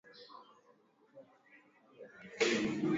Afrika pia baadhi ya nchi zimeunga mkono Hilo